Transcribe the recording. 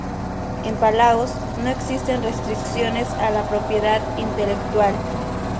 En Palaos no existen restricciones a la propiedad intelectual.